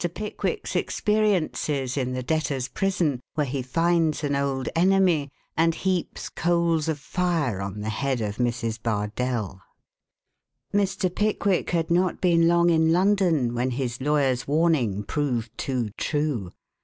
PICKWICK'S EXPERIENCES IN THE DEBTORS' PRISON, WHERE HE FINDS AN OLD ENEMY AND HEAPS COALS OF FIRE ON THE HEAD OF MRS. BARDELL Mr. Pickwick had not been long in London when his lawyer's warning proved too true.